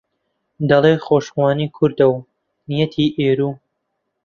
دەڵێی خۆشخوانی کوردە و نیەتی ئێروو